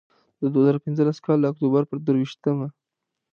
د دوه زره پینځلس کال د اکتوبر پر درویشتمه.